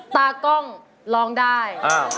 ตากล้องร้องได้